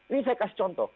ini saya kasih contoh